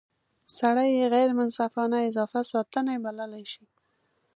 سړی یې غیر منصفانه اضافه ستانۍ بللای شي.